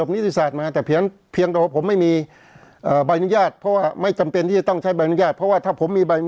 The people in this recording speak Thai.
แล้วยังไง